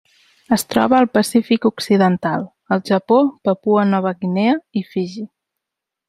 Es troba al Pacífic occidental: el Japó, Papua Nova Guinea i Fiji.